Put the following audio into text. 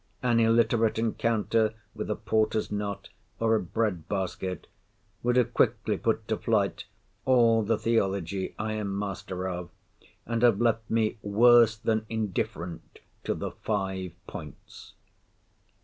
An illiterate encounter with a porter's knot, or a bread basket, would have quickly put to flight all the theology I am master of, and have left me worse than indifferent to the five points.